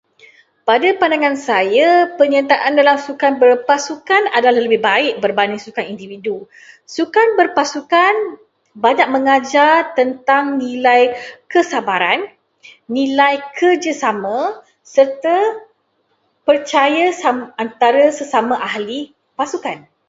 Pada pandangan saya, penyertaan dalam sukan berpasukan adalah lebih baik berbanding sukan individu. Sukan berpasukan banyak mengajar tentang nilai kesabaran, nilai kerjasama, serta percaya sam- antara sesama ahli pasukan.